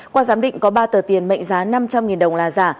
qua giám định có ba tờ tiền mệnh giá năm trăm linh đồng là giả